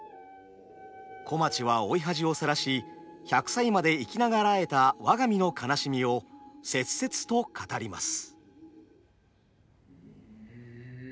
小町は老い恥をさらし１００歳まで生き長らえた我が身の悲しみを切々と語ります。